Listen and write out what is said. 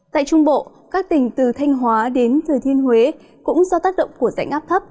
tại trung bộ các tỉnh từ thanh hóa đến thừa thiên huế cũng do tác động của rãnh áp thấp